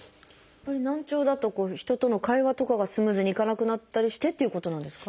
やっぱり難聴だと人との会話とかがスムーズにいかなくなったりしてっていうことなんですか？